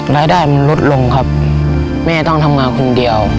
รายได้มันลดลงครับแม่ต้องทำงานคนเดียว